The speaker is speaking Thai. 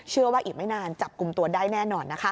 เชื่อว่าอีกไม่นานจับกลุ่มตัวได้แน่นอนนะคะ